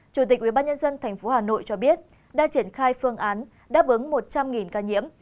chủ tịch ubnd tp hà nội cho biết đã triển khai phương án đáp ứng một trăm linh ca nhiễm